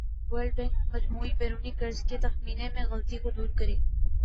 world bank مجموعی بیرونی قرض کے تخمینے میں غلطی کو دور کرے